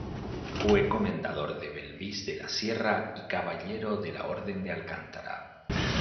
Fue comendador de Belvís de la Sierra y caballero de la Orden de Alcántara.